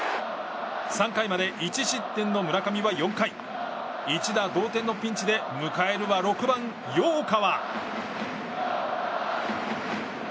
３回まで１失点の村上は４回一打同点のピンチで迎えるは６番、陽川。